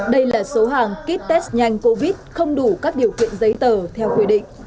đây là số hàng kit test nhanh covid không đủ các điều kiện giấy tờ theo quy định